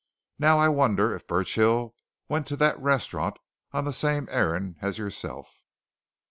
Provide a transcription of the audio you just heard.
Now, I wonder if Burchill went to that restaurant on the same errand as yourself?"